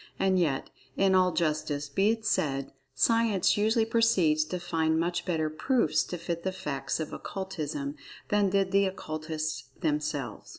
And yet, in all justice, be it said, Science usually proceeds to find much better "proofs" to fit the "facts" of Occultism, than did the Occultists themselves.